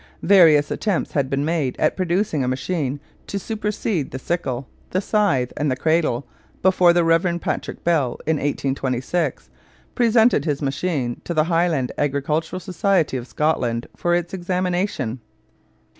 Various attempts had been made at producing a machine to supersede the sickle, the scythe, and the cradle before the Rev. Patrick Bell, in 1826, presented his machine to the Highland Agricultural Society of Scotland for its examination.